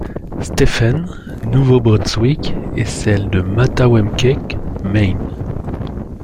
Stephen, Nouveau-Brunswick et celle de Mattawamkeag, Maine.